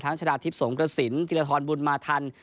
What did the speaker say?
ทั้งชนะทิพย์สงครสินธีรฐรบุรมาธัน